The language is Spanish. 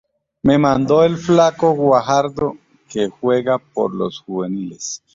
Me mandó el flaco Guajardo, que juega por los juveniles".